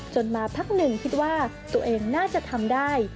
มาพักหนึ่งคิดว่าตัวเองน่าจะทำได้